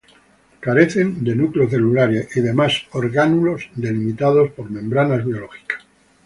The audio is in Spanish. Carecen de núcleo celular y demás orgánulos delimitados por membranas biológicas.